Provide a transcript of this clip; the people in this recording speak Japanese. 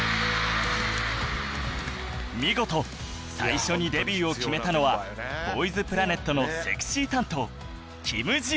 見事最初にデビューを決めたのは『ＢＯＹＳＰＬＡＮＥＴ』のセクシー担当キム・ジウン